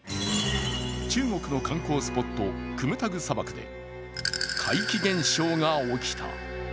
中国の観光スポット、クムタグ砂漠で怪奇現象が起きた。